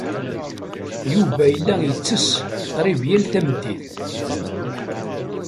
Yuba yella ittess qrib yal tameddit.